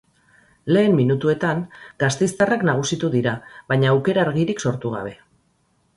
Lehen minutuetan, gasteiztarrak nagusitu dira, baina aurkera argirik sortu gabe.